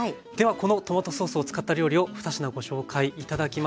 このトマトソースを使った料理を２品ご紹介頂きます。